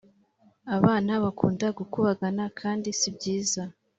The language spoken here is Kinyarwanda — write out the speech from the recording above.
abana bakunda gukubagana kandi sibyiza